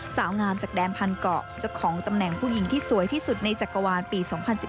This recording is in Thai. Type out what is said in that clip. สาวงามจากแดนพันเกาะเจ้าของตำแหน่งผู้หญิงที่สวยที่สุดในจักรวาลปี๒๐๑๙